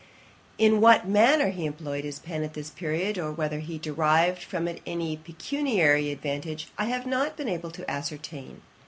In what manner he employed his pen at this period, or whether he derived from it any pecuniary advantage, I have not been able to ascertain.